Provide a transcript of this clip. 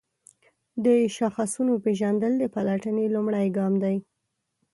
د شاخصونو پیژندل د پلټنې لومړی ګام دی.